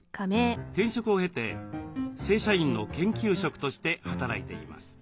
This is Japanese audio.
転職を経て正社員の研究職として働いています。